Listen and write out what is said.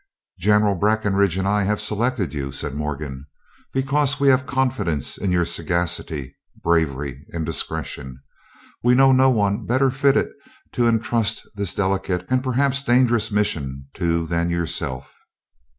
"General Breckinridge and I have selected you," said Morgan, "because we have confidence in your sagacity, bravery, and discretion. We know no one better fitted to intrust this delicate, and perhaps dangerous, mission to than yourself."